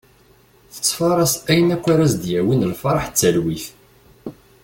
Tettfaras ayen akk ara as-d-yawin lferḥ d talwit.